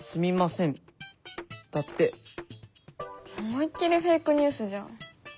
思いっ切りフェイクニュースじゃん。